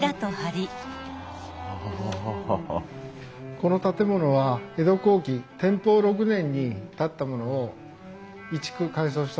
この建物は江戸後期天保６年に建ったものを移築改装したものなんです。